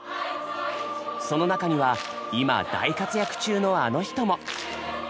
その中には今大活躍中のあの人も！